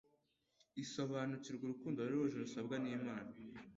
usobanukirwa urukundo ruhebuje rusabwa n'Imana